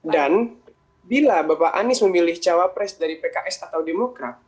dan bila bapak anies memilih capres dari pks atau demokra